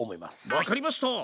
分かりました！